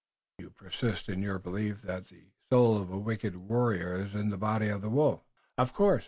You persist in your belief that the soul of a wicked warrior is in the body of the wolf?" "Of course!